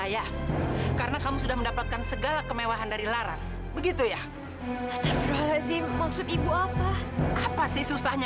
ayah karena kamu sudah mendapatkan segala kemewahan dari laras begitu ya maksud ibu apa apa sih susahnya